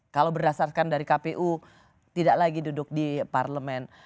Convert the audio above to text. kalau berdasarkan dari kpu tidak lagi duduk di parlemen